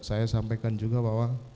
saya sampaikan juga bahwa